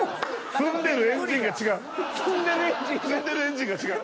積んでるエンジンが違う。